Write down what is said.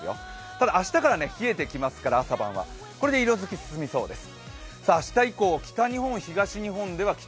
ただ明日から冷えてきますから、朝晩はこれで色づきが増しそうです。